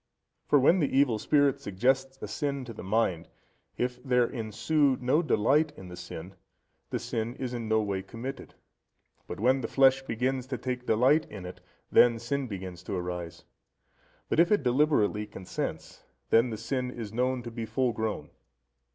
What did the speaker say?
For when the evil spirit suggests a sin to the mind, if there ensue no delight in the sin, the sin is in no way committed; but when the flesh begins to take delight in it, then sin begins to arise. But if it deliberately consents, then the sin is known to be full grown.